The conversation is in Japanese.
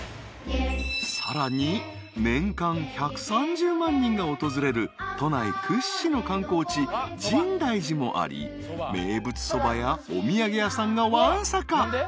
［さらに年間１３０万人が訪れる都内屈指の観光地深大寺もあり名物そばやお土産屋さんがわんさか］